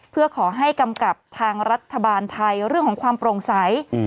เพื่อขอให้กำกับทางรัฐบาลไทยเรื่องของความโปร่งใส